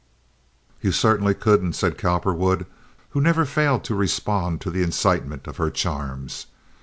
"You certainly couldn't," said Cowperwood, who never failed to respond to the incitement of her charms.